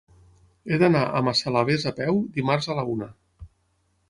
He d'anar a Massalavés a peu dimarts a la una.